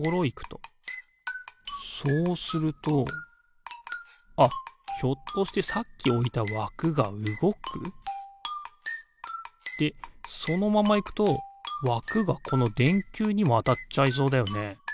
そうするとあっひょっとしてさっきおいたわくがうごく？でそのままいくとわくがこのでんきゅうにもあたっちゃいそうだよね。